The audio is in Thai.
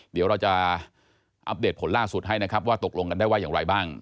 เดี๋ยวเราจะอัปเดตผลล่าสุดให้นะครับว่าตกลงกันได้ว่าอย่างไรบ้าง